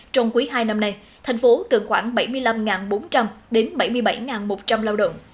trong quý hai năm nay thành phố cần khoảng bảy mươi năm bốn trăm linh đến bảy mươi bảy một trăm linh lao động